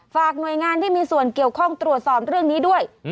หน่วยงานที่มีส่วนเกี่ยวข้องตรวจสอบเรื่องนี้ด้วย